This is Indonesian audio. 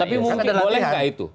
tapi mungkin boleh nggak itu